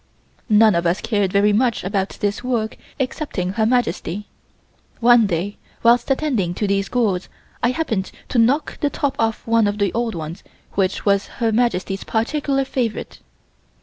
None of us cared very much about this work excepting Her Majesty. One day whilst attending to these gourds I happened to knock the top off one of the old ones which was Her Majesty's particular favorite.